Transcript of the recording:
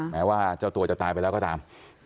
แม้ว่าเจ้าตัวจะตายไปแล้วก็ตาม